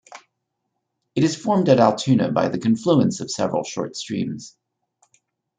It is formed at Altoona by the confluence of several short streams.